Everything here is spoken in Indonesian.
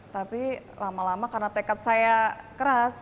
tapi lama lama karena tekad saya keras